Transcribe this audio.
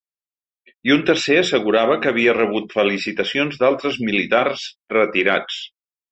I un tercer assegurava que havia rebut felicitacions d’altres militars retirats.